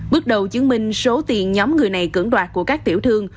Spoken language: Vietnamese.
bước đầu chứng minh số tiền nhóm người này cưỡng đoạt của các tiểu thương